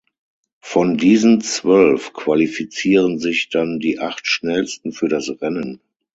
Von diesen zwölf qualifizieren sich dann die acht schnellsten für das Rennen.